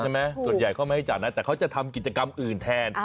แต่เขาจะทำกิจกรรมอื่นแทน